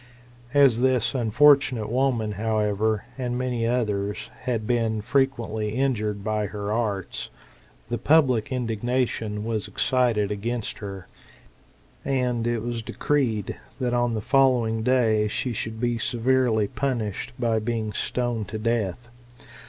As this [unfortunate] woman, however, and many others, had been frequently injured by her arts, the public indignation was excited against her ; and it was decreed, that on the following day she should be severely punished, by being stoned to death.